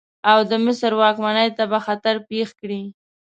او د مصر واکمنۍ ته به خطر پېښ کړي.